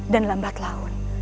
dan lambat laun